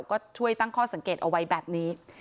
ก็ช่วยตั้งข้อสังเกตเอาไว้แบบนี้